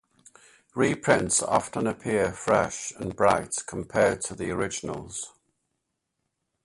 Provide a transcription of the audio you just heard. Reprints often appear fresh and bright compared to the originals.